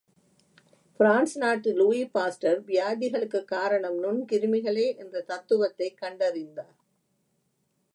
France நாட்டு Louis Pasteur, வியாதிகளுக்குக் காரணம் நுண்கிருமிகளே என்ற தத்துவத்தைக் கண்டறிந்தார்.